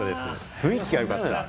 雰囲気が良かった。